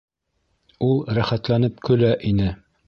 — Ул рәхәтләнеп көлә ине.